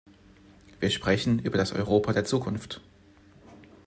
Wir sprechen über das Europa der Zukunft.